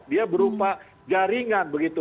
dia berupa jaringan begitu